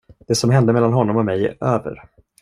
Det som hände mellan honom och mig är över.